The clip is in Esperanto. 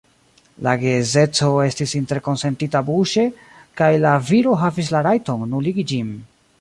La geedzeco estis interkonsentita buŝe, kaj la viro havis la rajton nuligi ĝin.